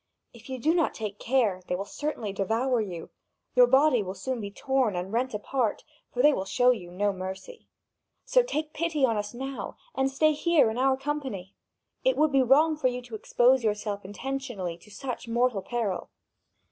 If you do not take care, they will certainly devour you. Your body will soon be torn and rent apart, for they will show you no mercy. So take pity on us now, and stay here in our company! It would be wrong for you to expose yourself intentionally to such mortal peril."